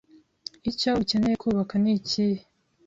icyo ukeneye kubaka nikihe